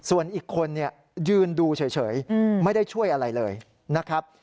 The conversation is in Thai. คนอีกคนยืนดูเฉยไม่ได้ช่วยอะไรเลยนะครับ